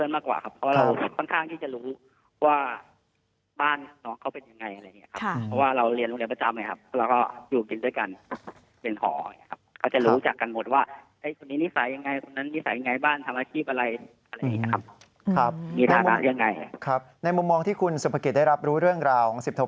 ไม่ครับคือเรารวมตัวในกลุ่มเพื่อนมากกว่าครับ